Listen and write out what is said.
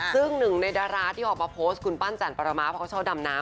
ซึ่งหนึ่งในดาราที่ออกมาโพสต์คุณปั้นจันปรมะเพราะเขาชอบดำน้ำ